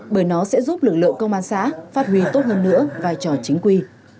bởi nó sẽ giúp lực lượng công an xã phát huy tốt hơn nữa vai trò chính quy